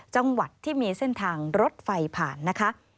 จังหวัดที่มีเส้นทางรถไฟผ่านนะคะ